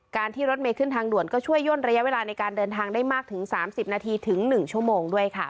ที่รถเมย์ขึ้นทางด่วนก็ช่วยย่นระยะเวลาในการเดินทางได้มากถึง๓๐นาทีถึง๑ชั่วโมงด้วยค่ะ